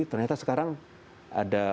ternyata sekarang ada